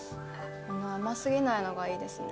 甘過ぎないのがいいですね。